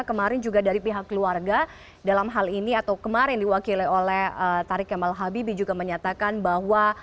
kemarin juga dari pihak keluarga dalam hal ini atau kemarin diwakili oleh tarik kemal habibie juga menyatakan bahwa